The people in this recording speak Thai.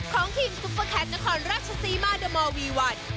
ของทีมซุปเปอร์แคทนครราชศรีมาเดอร์มอลวีวัน